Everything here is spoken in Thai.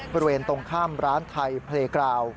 บริเวณตรงข้ามร้านไทยเพลยกราว